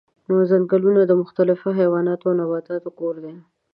ځنګلونه د مختلفو حیواناتو او نباتاتو کور دي.